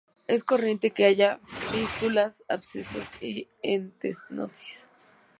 Es corriente que haya fístulas, abscesos y estenosis.